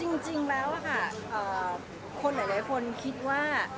จริงแล้วค่ะคนหลายคนคิดว่า